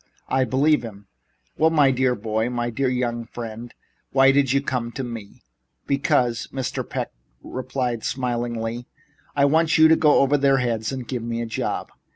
I believe him." "Well, my dear boy my dear young friend! Why do you come to me?" "Because," Mr. Peck replied smilingly, "I want you to go over their heads and give me a job.